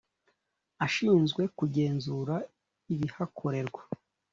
Ashinzwe kugenzura ibihakorerwa.